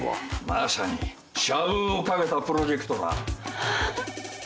まさに社運をかけたプロジェクトだ。